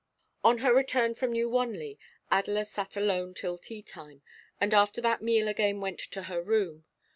On her return from New Wanley, Adela sat alone till tea time, and after that meal again went to her room.